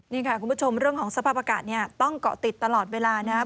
นี่ค่ะคุณผู้ชมเรื่องของสภาพอากาศเนี่ยต้องเกาะติดตลอดเวลานะครับ